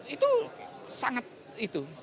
itu sangat itu